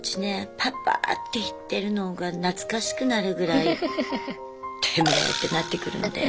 パパーって言ってるのが懐かしくなるぐらいテメェ！ってなってくるんで。